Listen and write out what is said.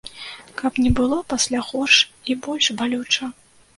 Каб не было пасля горш і больш балюча.